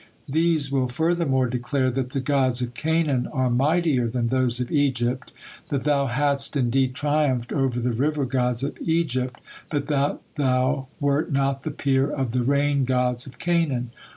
These will furthermore declare that the gods of Canaan are mightier than those of Egypt, that Thou hadst indeed triumphed over the river gods of Egypt, but that Thou wert not the peer of the rain gods of Canaan.